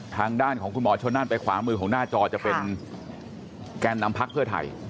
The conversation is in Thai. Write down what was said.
ทางด้านของคุณหมอชนนั่นไปขวามือของหน้าจอจะเป็นแกนนำพักเพื่อไทย